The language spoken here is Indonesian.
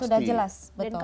sudah jelas betul